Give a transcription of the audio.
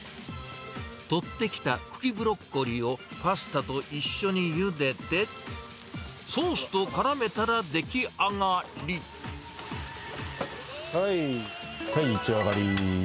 取ってきた茎ブロッコリーをパスタと一緒にゆでて、ソースとからはい、はい、いっちょ上がり。